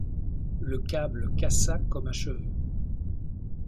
Le câble cassa comme un cheveu.